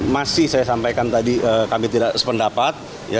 masih saya sampaikan tadi kami tidak sependapat